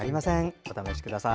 お試しください。